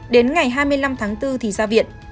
đến ngày hai mươi năm tháng bốn thì ra viện